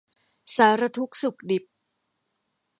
สารทุกข์สุขดิบ